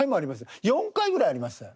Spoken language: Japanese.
４回ぐらいありましたよ。